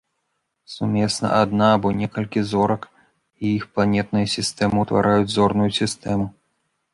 Сумесна адна або некалькі зорак і іх планетныя сістэмы ўтвараюць зорную сістэму.